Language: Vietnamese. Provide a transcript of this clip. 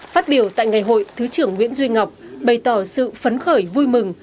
phát biểu tại ngày hội thứ trưởng nguyễn duy ngọc bày tỏ sự phấn khởi vui mừng